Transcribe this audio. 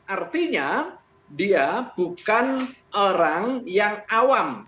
artinya dia bukan orang yang awam